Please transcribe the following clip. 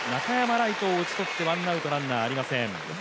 礼都を打ち取ってワンアウトランナーはありません。